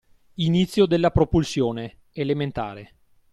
Inizio della propulsione (elementare).